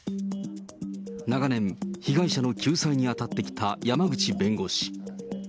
長年、被害者の救済に当たってきた山口弁護士。